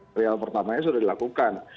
serial pertamanya sudah dilakukan